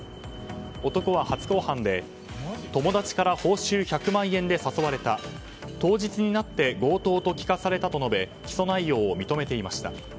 男は初公判で、友達から報酬１００万円で誘われた当日になって強盗と聞かされたと述べ起訴内容を認めていました。